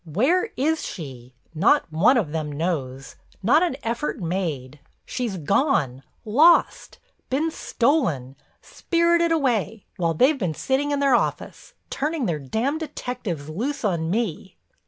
Where is she? Not one of them knows—not an effort made. She's gone, lost, been stolen, spirited away, while they've been sitting in their office, turning their d——d detectives loose on me."